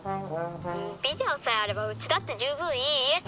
ビデオさえあればうちだって十分いい家さ。